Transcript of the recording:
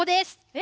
え！